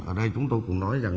ở đây chúng tôi cũng nói rằng